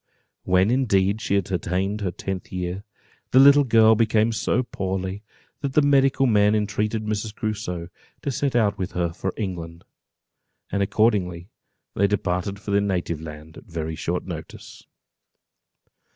When indeed she had attained her tenth year, the little girl became so poorly, that the medical men entreated Mrs. Crusoe to set out with her for England; and accordingly they departed for their native land, at a very short notice.